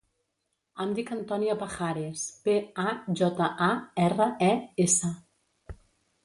Em dic Antònia Pajares: pe, a, jota, a, erra, e, essa.